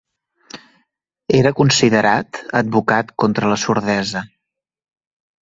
Era considerat advocat contra la sordesa.